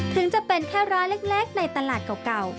ถึงจะเป็นแค่ร้านเล็กในตลาดเก่า